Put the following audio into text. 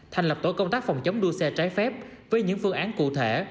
thành lập tổ công tác phòng chống đua xe trái phép với những phương án cụ thể